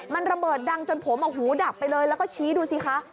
มันระเบิดดังจนผมหูดับไปเลยแล้วก็ชี้ดูสิคะ